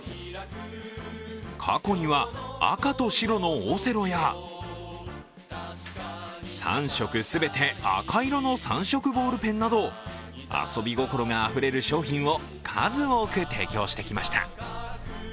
過去には赤と白のオセロや３色全て赤色の３色ボールペンなど遊び心があふれる商品を数多く提供してきました。